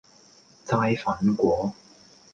齋粉果